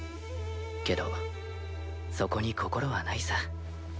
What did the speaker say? けどそこに心はないさ。